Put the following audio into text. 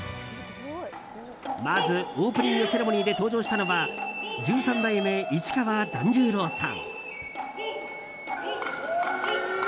まずオープニングセレモニーで登場したのは十三代目市川團十郎さん。